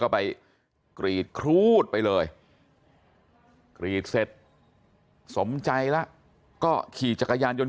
ก็ไปกรีดครูดไปเลยกรีดเสร็จสมใจแล้วก็ขี่จักรยานยนต์